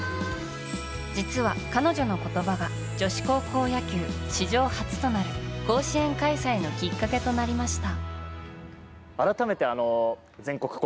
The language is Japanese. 実は、彼女の言葉が女子高校野球史上初となる甲子園開催のきっかけとなりました。